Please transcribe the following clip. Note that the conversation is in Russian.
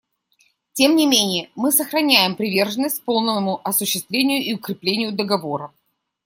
Тем не менее мы сохраняем приверженность полному осуществлению и укреплению Договора.